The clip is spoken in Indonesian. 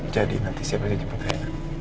jadi nanti saya bisa jemput rena